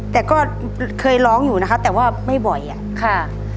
แต่ก็เคยร้องอยู่นะคะแต่ว่าไม่บ่อยอ่ะค่ะ